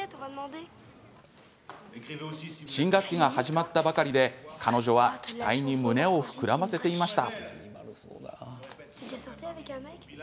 新学期が始まったばかりで彼女は期待に胸を膨らませていました。